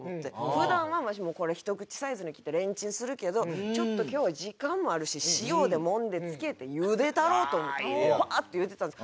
普段はわしもこれひと口サイズに切ってレンチンするけどちょっと今日は時間もあるし塩でもんで漬けて茹でたろうと思ってパーッて茹でたんです。